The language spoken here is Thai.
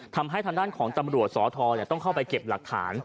ทำให้ทางด้านของตำรวจสอทรต้องเข้าไปเก็บหลักฐาน